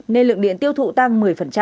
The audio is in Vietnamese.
nên lượng điện tiêu thụ tăng một mươi